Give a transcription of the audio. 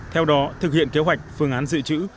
theo đó thực hiện kế hoạch phương án dự trữ